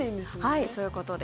はい、そういうことです。